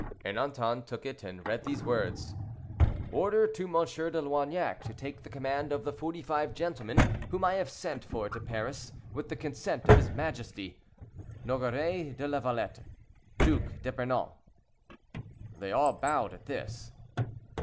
Ernanton took it and read these words: "Order to M. de Loignac to take the command of the forty five gentlemen whom I have sent for to Paris with the consent of his majesty. "NOGARET DE LAVALETTE. "Duc d'Epernon." They all bowed at this.